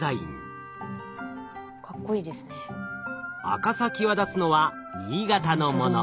赤さ際立つのは新潟のもの。